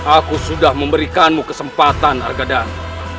aku sudah memberikanmu kesempatan argadang